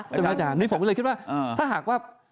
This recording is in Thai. จริงหรือไม่จริงผมเลยคิดว่าถ้าหากว่า